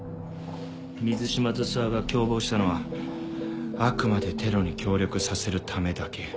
水島と諏訪が共謀したのはあくまでテロに協力させるためだけ。